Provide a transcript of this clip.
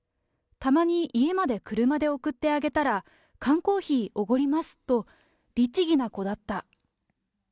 たまに家まで車で送ってあげたら、缶コーヒーおごりますと律儀な子だった。